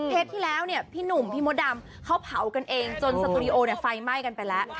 เทปที่แล้วพี่หนุ่มพี่มดดำเขาเผากันเองจนสตูดิโอไฟไหม้กันไปแล้ว